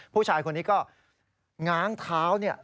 ผู้ชายคนนี้ก็ง้างเท้าเนี่ย